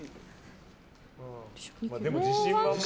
でも自信満々。